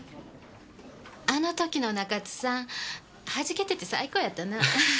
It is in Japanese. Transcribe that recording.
あの時の中津さん弾けてて最高やったな。